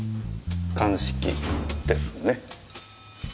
鑑識ですね。